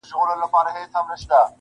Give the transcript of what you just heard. د ویالو په څېر یې ولیدل سیندونه -